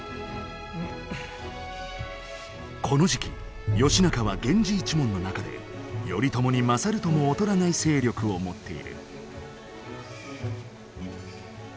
この時期義仲は源氏一門の中で頼朝に勝るとも劣らない勢力を持っている。